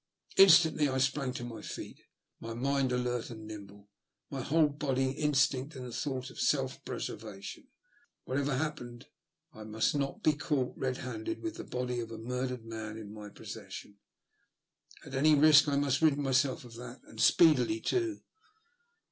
Instantly I sprang to my feet, my mind alert and nimble, my whole body instinct with the thought of self preservation. What ever happened I must not be caught, red handed, with the body of the murdered man in my possession. At any risk I must rid myself of that, and speedily, too.